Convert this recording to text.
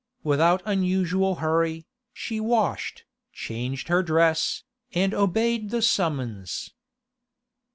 Without unusual hurry, she washed, changed her dress, and obeyed the summons.